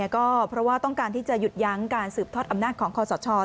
ก็เพราะว่าต้องการที่จะหยุดยั้งการสืบทอดอำนาจของคอสช